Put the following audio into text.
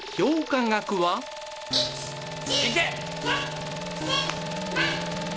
いけ。